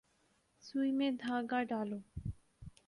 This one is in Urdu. سوئی میں دھاگہ ڈالو